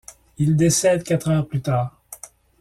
Il décède quatre heures plus tard.